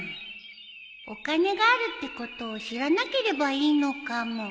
お金があるってことを知らなければいいのかも